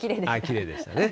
きれいでしたね。